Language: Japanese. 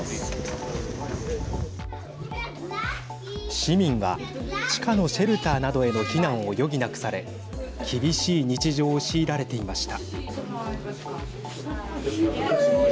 市民は地下のシェルターなどへの避難を余儀なくされ厳しい日常を強いられていました。